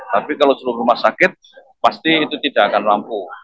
tapi kalau seluruh rumah sakit pasti itu tidak akan mampu